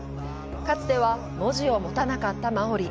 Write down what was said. かつては文字を持たなかったマオリ。